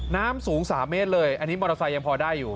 น้ำสูง๓เมตรเลยอันนี้มอเตอร์ไซค์ยังพอได้อยู่